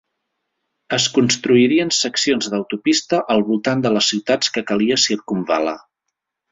Es construirien seccions d'autopista al voltant de les ciutats que calia circumval·lar.